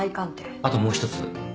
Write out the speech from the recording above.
あともう一つ。